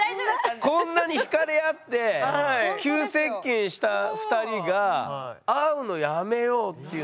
こんなにひかれ合って急接近した２人が「会うのやめよう」っていうのは？